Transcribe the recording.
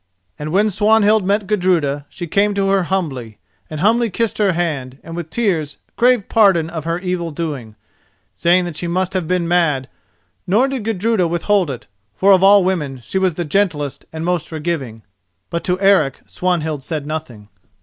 And when Swanhild met Gudruda, she came to her humbly, and humbly kissed her hand, and with tears craved pardon of her evil doing, saying that she had been mad; nor did Gudruda withhold it, for of all women she was the gentlest and most forgiving. But to Eric, Swanhild said nothing.